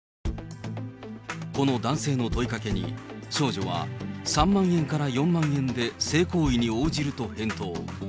この男性の問いかけに、少女は、３万円から４万円で性行為に応じると返答。